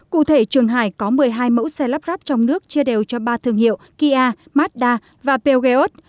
cụ thể trường hải có một mươi hai mẫu xe lắp ráp trong nước chia đều cho ba thương hiệu kia mazda và peugeot